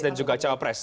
dan juga cawapres